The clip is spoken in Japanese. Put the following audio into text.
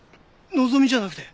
希美じゃなくて？